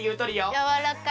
やわらかい！